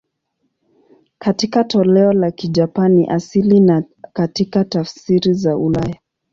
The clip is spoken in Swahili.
Katika toleo la Kijapani asili na katika tafsiri za ulaya.